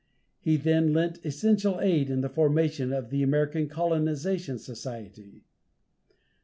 He then lent essential aid in the formation of the American Colonization Society.